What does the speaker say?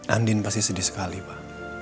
andien pasti sedih sekali pa